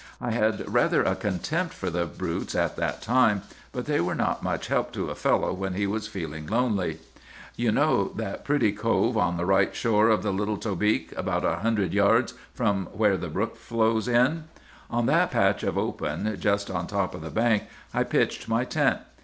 I had rather a contempt for the brutes at that time, but they were not much help to a fellow when he was feeling lonely. "'You know that pretty cove on the right shore of the Little Tobique, about a hundred yards from where the brook flows in? On that patch of open just on top of the bank I pitched my tent.